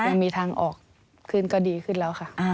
ยังมีทางออกขึ้นก็ดีขึ้นแล้วค่ะ